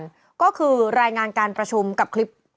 จากที่เป็นอย่างการประชุมกับคลิป